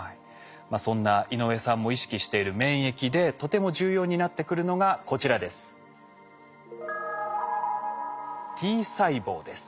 そんな井上さんも意識している免疫でとても重要になってくるのがこちらです。